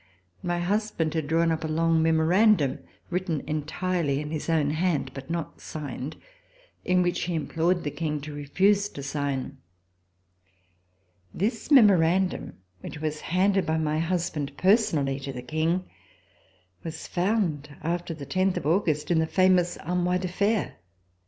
My husband had drawn up a long memorandum, written entirely in his own hand but not signed, in which he implored the King to refuse to sign. This memorandum, which was handed by my husband, personally, to the King, was found after the tenth of August in the famous Armoire de Fer.